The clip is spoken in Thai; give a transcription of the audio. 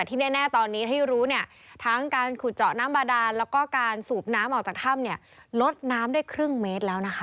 ที่แน่ตอนนี้ที่รู้เนี่ยทั้งการขุดเจาะน้ำบาดานแล้วก็การสูบน้ำออกจากถ้ำเนี่ยลดน้ำได้ครึ่งเมตรแล้วนะคะ